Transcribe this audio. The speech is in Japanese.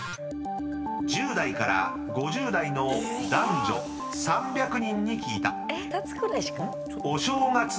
［１０代から５０代の男女３００人に聞いた］